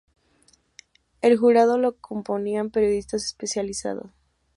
El jurado lo componían periodistas especializados.